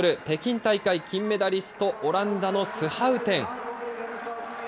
北京大会金メダリスト、オランダのスハウテン。